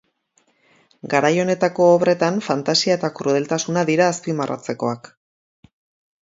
Garai honetako obretan fantasia eta krudeltasuna dira azpimarratzekoak.